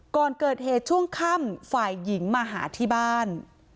ก่อนเกิดเหตุช่วงค่ำฝ่ายหญิงมาหาที่บ้าน